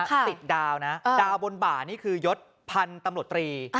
ติดดาวนะดาวบนบ่านี่คือยศพันธุ์ตำรวจตรี